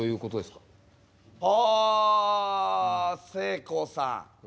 ああせいこうさん